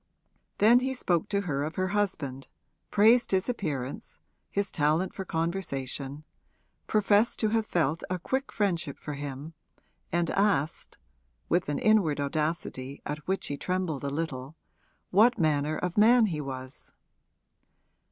Then he spoke to her of her husband, praised his appearance, his talent for conversation, professed to have felt a quick friendship for him and asked (with an inward audacity at which he trembled a little) what manner of man he was.